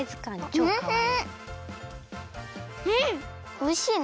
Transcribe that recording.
おいしいね。